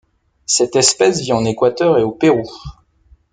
Cette espèce vit en Équateur et au Pérou.